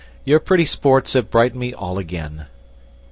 Your pretty sports have brightened all again.